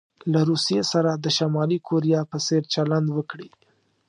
له روسيې سره د شمالي کوریا په څیر چلند وکړي.